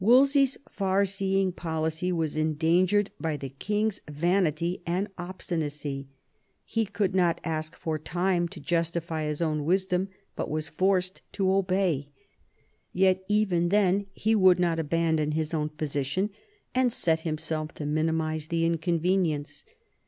Wolsey's far seeing policy was endangered by the king's vanity and obstinacy; he could not ask for time to justify his own wisdom, but was forced to obey. Yet even then he would not abandon his own position and set himself to minimise the inconvenience.